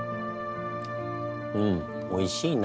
うんおいしいな。